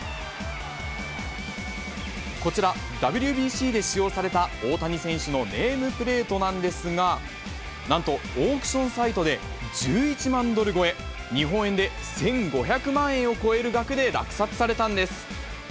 こちら、ＷＢＣで使用された大谷選手のネームプレートなんですが、なんとオークションサイトで１１万ドル超え、日本円で１５００万円を超える額で落札されたんです。